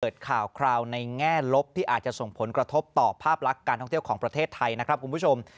ข่าวคราวในแง่ลบที่อาจจะส่งผลกระทบต่อภาพลักษณ์การท่องเที่ยวของประเทศไทยนะครับคุณผู้ชม